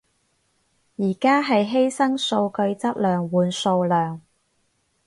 而家係犧牲數據質量換數量